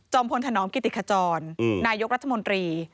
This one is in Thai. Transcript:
พลถนอมกิติขจรนายกรัฐมนตรี